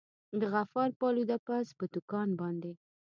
د غفار پالوده پز پر دوکان باندي.